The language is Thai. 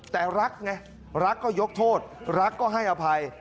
แต่รักไงรักก็ยกโทษรักก็ให้อภัย